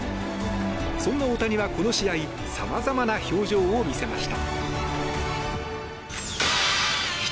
そんな大谷がこの試合さまざまな表情を見せました。